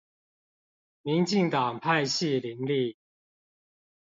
民進黨派系林立